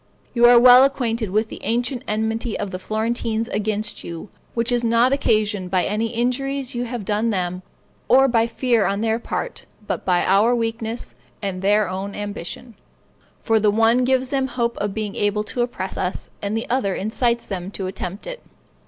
You are well acquainted with the ancient enmity of the Florentines against you, which is not occasioned by any injuries you have done them, or by fear on their part, but by our weakness and their own ambition; for the one gives them hope of being able to oppress us, and the other incites them to attempt it.